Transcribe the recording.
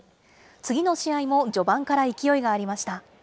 次の試合も序盤から勢いがありました。